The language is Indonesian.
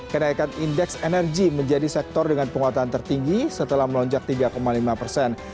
kenaikan indeks energi menjadi sektor dengan penguatan tertinggi setelah melonjak tiga lima persen